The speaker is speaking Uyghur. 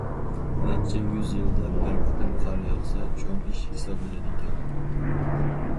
نەچچە يۈز يىلدا بىر قېتىم قار ياغسا چوڭ ئىش ھېسابلىنىدىكەن.